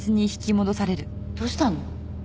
どうしたの？